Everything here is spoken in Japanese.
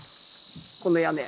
この屋根。